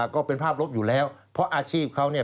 ก็เป็นภาพลบอยู่แล้วเพราะอาชีพเขาเนี่ย